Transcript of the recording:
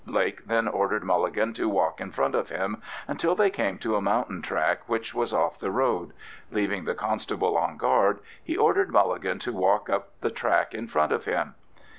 Blake then ordered Mulligan to walk in front of him until they came to a mountain track which was off the road; leaving the constable on guard, he ordered Mulligan to walk up the track in front of him.